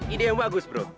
ide yang bagus bro